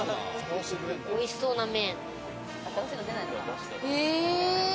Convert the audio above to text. おいしそうな麺。